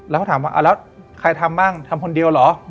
แล้วเขาถามว่าแล้วใครทำบ้างทำคนเดียวเหรอ